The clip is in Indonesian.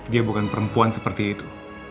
dia bukan perempuan seperti itu